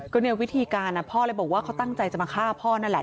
ก็เนี่ยวิธีการพ่อเลยบอกว่าเขาตั้งใจจะมาฆ่าพ่อนั่นแหละ